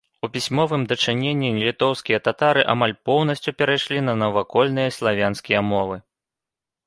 У пісьмовым дачыненні літоўскія татары амаль поўнасцю перайшлі на навакольныя славянскія мовы.